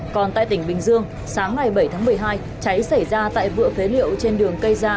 còn tại tỉnh bình dương sáng ngày bảy tháng một mươi hai cháy xảy ra tại vựa phế liệu trên đường cây gia